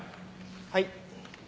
はい。